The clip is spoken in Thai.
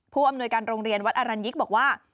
ผู้อำนวยการโรงเรียนวัดอรัญยิกบอกว่า